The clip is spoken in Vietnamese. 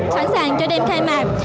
sẵn sàng cho đêm khai mạc